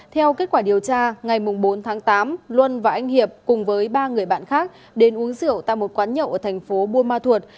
theo kết quả điều tra ngày bốn tháng tám luân và anh hiệp cùng với ba người bạn khác đến uống rượu tại một quán nhậu ở thành phố buôn ma thuột